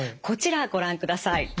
こちらご覧ください。